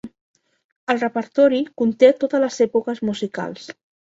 El repertori conté totes les èpoques musicals.